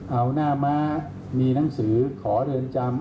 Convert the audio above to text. เอาหน้าม้ามีหนังสือขอเรือนจำ